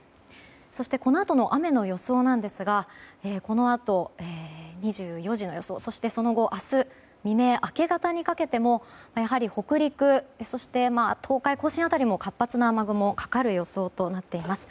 そしてこのあとの雨の予想なんですがこのあと２４時の予想そして、その後明日未明、明け方にかけても北陸や東海、甲信辺りも活発な雨雲がかかる予想となっています。